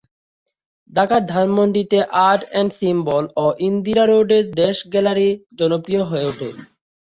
ঢাকার ধানমন্ডিতে ‘art and symbol’ ও ইন্দিরা রোডে ‘দেশ’ গ্যালারি জনপ্রিয় হয়ে উঠে।